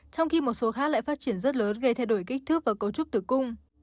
trong khi một số khác lại phát triển rất lớn gây thay đổi kích thước và cấu trúc tử cung